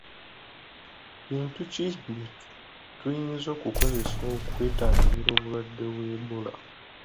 Bintu ki bye tuyinza okukozesa okwetangira obulwadde bwa Ebola?